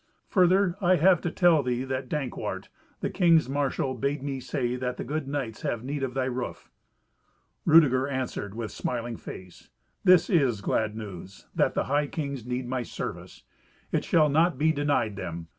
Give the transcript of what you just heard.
Further, I have to tell thee that Dankwart, the king's marshal, bade me say that the good knights have need of thy roof." Rudeger answered with smiling face, "This is glad news, that the high kings need my service. It shall not be denied them.